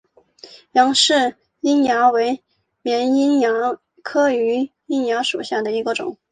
杨氏瘿蚜为绵瘿蚜科榆瘿蚜属下的一个种。